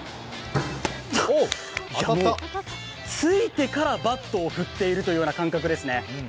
ついてからバットを振っているという感覚ですね。